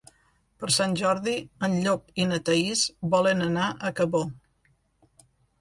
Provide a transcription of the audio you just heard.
Per Sant Jordi en Llop i na Thaís volen anar a Cabó.